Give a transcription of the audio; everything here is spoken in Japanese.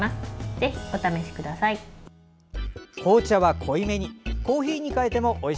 ぜひ、お試しください。